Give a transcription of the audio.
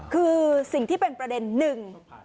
คือสิ่งที่เป็นประเด็นหนึ่ง